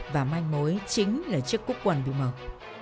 và manh mối chính là chiếc quốc quần vũ mật